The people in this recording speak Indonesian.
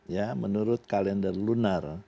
ya menurut kalender lunar